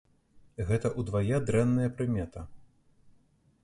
Гэта ўдвая дрэнная прымета.